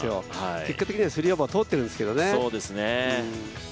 結果的には３オーバー通ってるんですけどね。